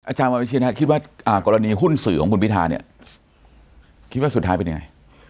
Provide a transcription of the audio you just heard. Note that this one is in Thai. อวิชชินครับคิดว่ากรณีหุ้นสื่อของคุณพิทาร์นี่คิดว่าสุดท้ายเป็นไง